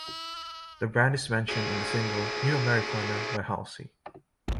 The brand is mentioned in the single "New Americana" by Halsey.